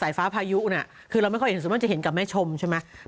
ฟ้าพายุน่ะคือเราไม่ค่อยเห็นส่วนมากจะเห็นกับแม่ชมใช่ไหม